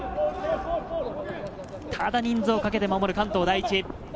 ただ人数をかけて守る関東第一。